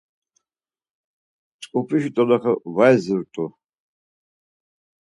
Mtzupişi doloxe var izirt̆u.